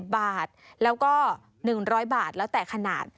บาทแล้วก็๑๐๐บาทแล้วแต่ขนาด